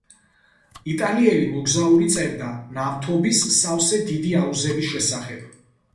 იტალიელი მოგზაური წერდა ნავთობის სავსე დიდი აუზების შესახებ.